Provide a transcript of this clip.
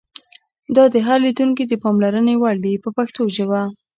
دا د هر لیدونکي د پاملرنې وړ دي په پښتو ژبه.